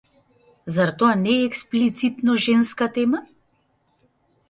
Зар не е тоа експлицитно женска тема?